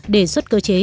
đề xuất cơ chế